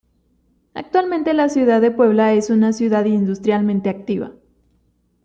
Actualmente la ciudad de Puebla es una ciudad industrialmente activa.